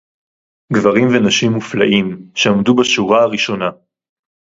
גברים ונשים מופלאים שעמדו בשורה הראשונה